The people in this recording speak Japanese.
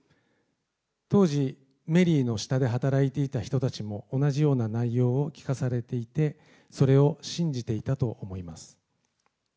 当時、メリーの下で働いていた人たちも同じような内容を聞かされていて、それを信じていたと思います。